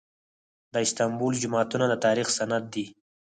د استانبول جوماتونه د تاریخ سند دي.